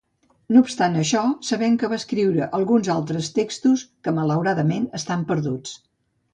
No obstant això, sabem que va escriure alguns altres textos, que, malauradament, estan perduts.